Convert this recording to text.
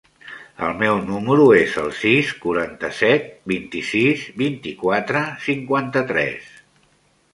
El meu número es el sis, quaranta-set, vint-i-sis, vint-i-quatre, cinquanta-tres.